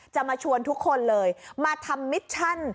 มาชวนทุกคนเลยมาทำมิชชั่น